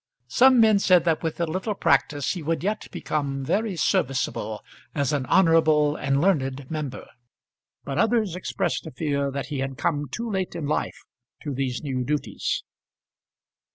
Some men said that with a little practice he would yet become very serviceable as an honourable and learned member; but others expressed a fear that he had come too late in life to these new duties.